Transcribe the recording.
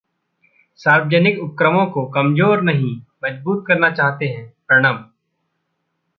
सार्वजनिक उपक्रमों को कमजोर नहीं मजबूत करना चाहते हैं: प्रणब